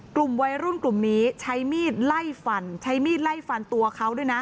กลุ่มวัยรุ่นกลุ่มนี้ใช้มีดไล่ฟันใช้มีดไล่ฟันตัวเขาด้วยนะ